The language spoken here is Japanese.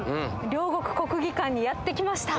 両国国技館にやって来ました。